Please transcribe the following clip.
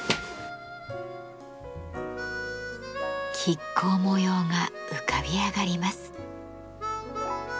亀甲模様が浮かび上がります。